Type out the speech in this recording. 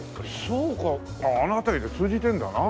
そうかあの辺りで通じてるんだな。